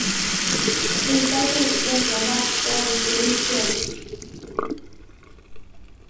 He voted against the Iraq War Resolution.